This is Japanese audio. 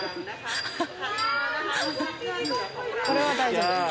これは大丈夫。